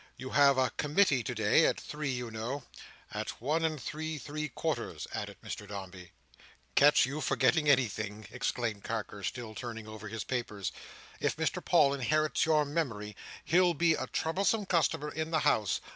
"You have a committee today at three, you know." "And one at three, three quarters," added Mr Dombey. "Catch you forgetting anything!" exclaimed Carker, still turning over his papers. "If Mr Paul inherits your memory, he'll be a troublesome customer in the House.